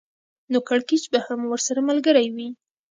نو کړکېچ به هم ورسره ملګری وي